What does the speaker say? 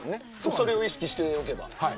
それを意識しておけば。